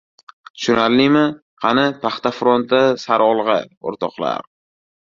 Tushunarlimi? Qani, paxta fronti sari olg‘a, o‘rtoqlar!